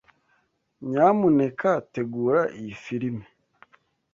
Nyamuneka tegura iyi firime.